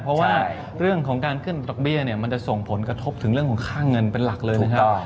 เพราะว่าเรื่องของการขึ้นดอกเบี้ยเนี่ยมันจะส่งผลกระทบถึงเรื่องของค่าเงินเป็นหลักเลยนะครับ